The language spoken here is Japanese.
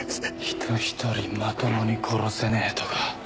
人一人まともに殺せねえとか。